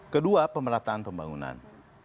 kedua pemerintahan pembangunan